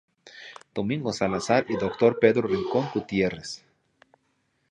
Domingo Salazar" y "Dr. Pedro Rincón Gutierrez".